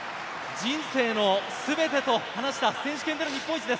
人生の全てと話した選手権での日本一です。